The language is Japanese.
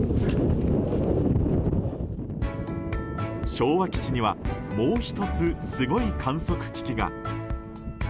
昭和基地にはもう１つ、すごい観測機器が。